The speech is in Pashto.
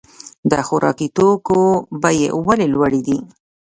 د خوراکي توکو بیې ولې لوړې دي؟